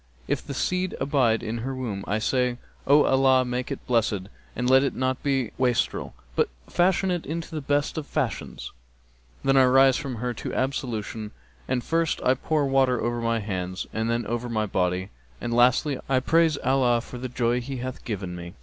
If the seed abide in her womb I say, 'O Allah make it blessed and let it not be a wastrel, but fashion it into the best of fashions!'[FN#272] Then I rise from her to ablution and first I pour water over my hands and then over my body and lastly, I praise Allah for the joy He hath given me.'